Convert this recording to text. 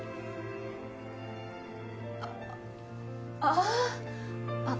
あっああ。